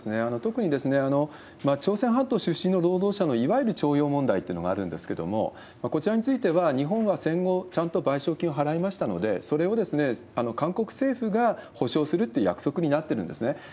特に、朝鮮半島出身の労働者のいわゆる徴用問題っていうのがあるんですけれども、こちらについては、日本は戦後、ちゃんと賠償金を払いましたので、それを韓国政府が保障するっていう約束になってるんですね。